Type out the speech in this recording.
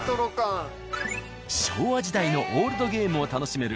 昭和時代のオールドゲームを楽しめる。